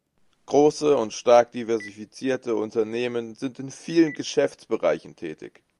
Große und stark diversifizierte Unternehmen sind in vielen Geschäftsbereichen tätig.